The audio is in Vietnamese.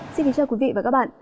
xin kính chào quý vị và các bạn